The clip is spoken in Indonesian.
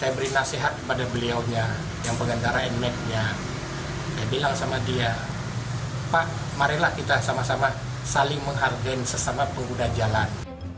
saya bilang sama dia pak mari kita sama sama saling menghargai sesama pengguna jalan